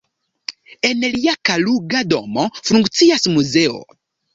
En lia Kaluga domo funkcias muzeo.